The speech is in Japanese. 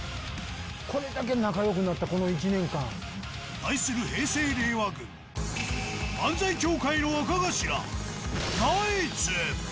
これだけ仲よくなったこの１対する平成・令和軍、漫才協会の若頭、ナイツ。